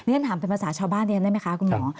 นี่ถ้าถามเป็นภาษาชาวบ้านได้ไหมคะคุณหมอ